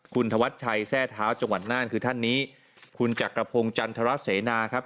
คุณธวัชชัยแทร่เท้าจังหวัดน่านคือท่านนี้คุณจักรพงศ์จันทรเสนาครับ